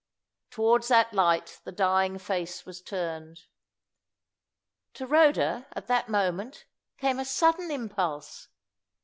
Towards that light the dying face was turned. To Rhoda, at that moment, came a sudden impulse.